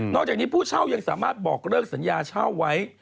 จากนี้ผู้เช่ายังสามารถบอกเลิกสัญญาเช่าไว้